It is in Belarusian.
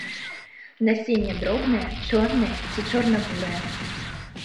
Насенне дробнае, чорнае ці чорна-бурае.